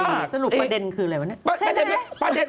สรุปประเด็นคืออะไรวะเนี่ย